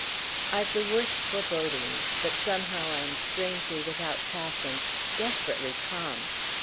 I've the worst forebodings, but somehow I'm strangely without passion—desperately calm.